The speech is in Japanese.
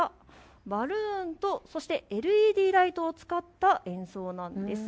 バルーンとＬＥＤライトを使った演奏なんです。